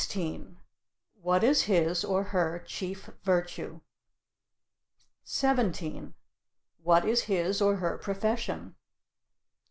What is his or her chief virtue? 17. What is his or her profession?